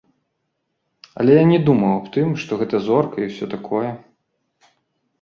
Але я не думаў аб тым, што гэта зорка і ўсё такое.